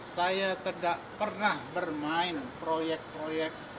saya tidak pernah bermain proyek proyek